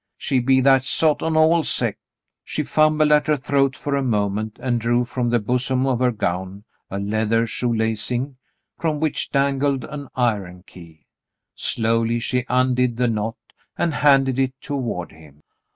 She be that sot on all sech." She fumbled at her throat a moment and drew from the bosom of her gown a leather shoe lacing, from which dangled an iron key. Slowly she undid the knot, and handed it toward him.